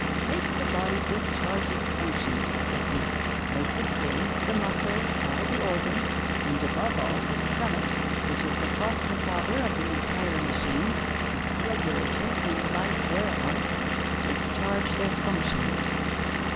"Make the body discharge its functions," said he. "Make the skin, the muscles, all the organs, and, above all, the stomach, which is the foster father of the entire machine, its regulator and life warehouse, discharge their functions."